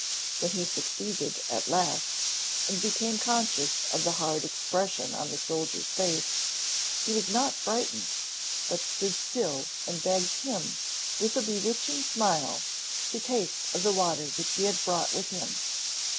When he succeeded at last, and became conscious of the hard expression on the soldier's face, he was not frightened, but stood still and begged him, with a bewitching smile, to taste of the water which he had brought with him.